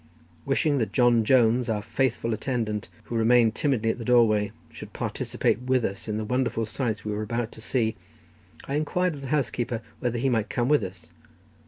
Wishing that John Jones, our faithful attendant, who remained timidly at the doorway, should participate with us in the wonderful sights we were about to see, I inquired of the housekeeper whether he might come with us.